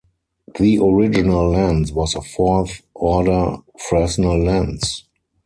The original lens was a Fourth Order Fresnel lens.